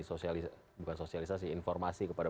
sosialisasi bukan sosialisasi informasi kepada